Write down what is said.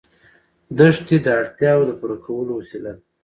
دښتې د اړتیاوو د پوره کولو وسیله ده.